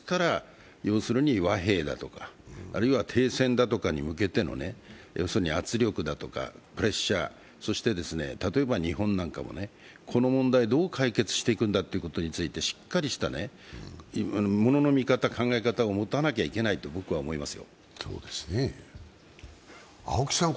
ですから和平だとか、あるいは停戦だとかに向けての圧力だとかプレッシャー、そして例えば日本なんかもこの問題をどう解決していくんだということについて、しっかりした物の見方、考え方を持たなきゃいけないと僕は思いますよ。